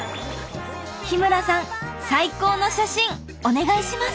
日村さん最高の写真お願いします。